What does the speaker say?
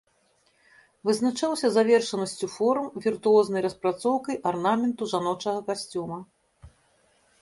Вызначаўся завершанасцю форм, віртуознай распрацоўкай арнаменту жаночага касцюма.